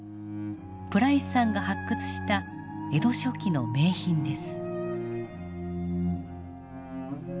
プライスさんが発掘した江戸初期の名品です。